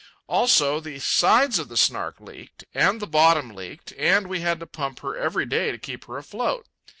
Also, the sides of the Snark leaked, and the bottom leaked, and we had to pump her every day to keep her afloat.